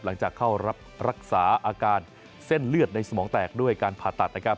หลังจากเข้ารับรักษาอาการเส้นเลือดในสมองแตกด้วยการผ่าตัดนะครับ